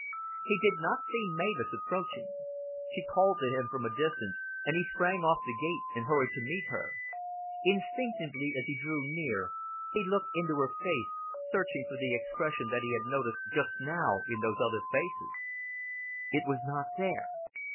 He did not see Mavis approaching. She called to him from a distance, and he sprang off the gate and hurried to meet her. Instinctively, as he drew near, he looked into her face, searching for the expression that he had noticed just now in those other faces. It was not there.